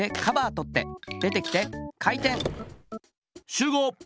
しゅうごう！